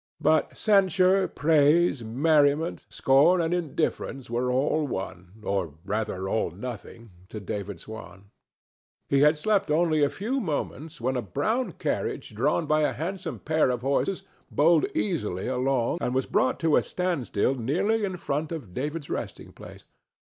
But censure, praise, merriment, scorn and indifference were all one—or, rather, all nothing—to David Swan. He had slept only a few moments when a brown carriage drawn by a handsome pair of horses bowled easily along and was brought to a standstill nearly in front of David's resting place.